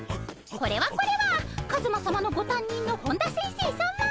これはこれはカズマさまのごたんにんの本田先生さま。